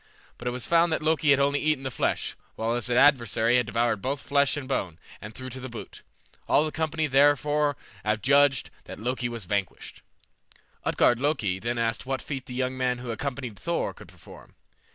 But it was found that Loki had only eaten the flesh, while his adversary had devoured both flesh and bone, and the trough to boot. All the company therefore adjudged that Loki was vanquished. Utgard Loki then asked what feat the young man who accompanied Thor could perform.